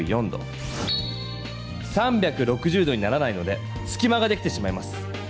３６０度にならないのですきまができてしまいます。